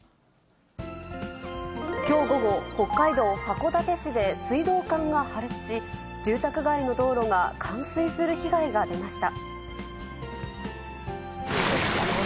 きょう午後、北海道函館市で水道管が破裂し、住宅街の道路が冠水する被害が出ました。